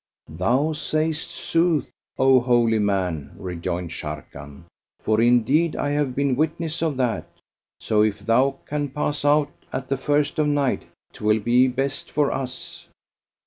"Thou sayest sooth, O holy man," rejoined Sharrkan, "for indeed I have been witness of that; so, if thou can pass out at the first of the night, 'twill be best for us."